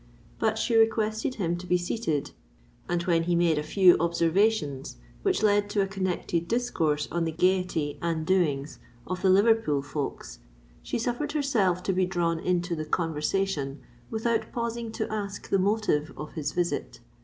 But she requested him to be seated; and when he made a few observations which led to a connected discourse on the gaiety and "doings" of the Liverpool folks, she suffered herself to be drawn into the conversation without pausing to ask the motive of his visit.